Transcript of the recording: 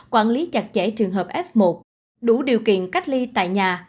quản lý chặt chẽ trường hợp f một đủ điều kiện cách ly tại nhà